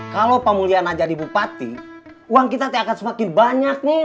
kalo pamuliana jadi bupati uang kita akan semakin banyak min